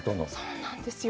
そうなんですよ。